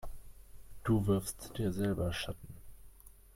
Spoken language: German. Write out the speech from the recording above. Du wirfst dir selber Schatten.